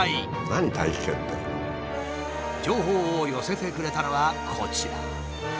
情報を寄せてくれたのはこちら。